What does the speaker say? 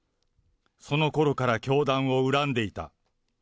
そのころから教団を恨んでいた。